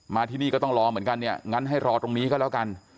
ที่นี่ก็ต้องรอเหมือนกันเนี่ยงั้นให้รอตรงนี้ก็แล้วกัน